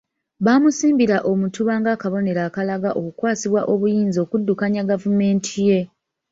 Bamusimbira omutuba ng’akabonero akalaga okukwasibwa obuyinza okuddukanya gavumenti ye.